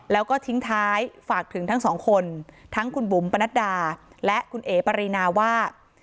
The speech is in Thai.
แล้วก็ทิ้งท้ายฝากถึงทั้งสองคนทั้งคุณบุ๋มปนัดดาและคุณเอ๋ปรินาว่า